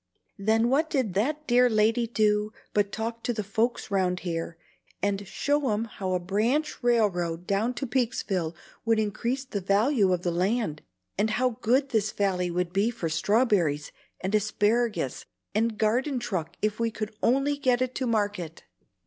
Then what did that dear lady do but talk to the folks round here, and show 'em how a branch railroad down to Peeksville would increase the value of the land, and how good this valley would be for strawberries and asparagus and garden truck if we could only get it to market.